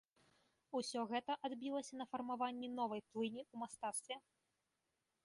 Усё гэта адбілася на фармаванні новай плыні ў мастацтве.